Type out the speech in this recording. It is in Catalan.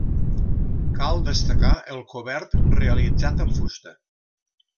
Cal destacar el cobert realitzat amb fusta.